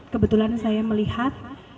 kebetulan saya melihat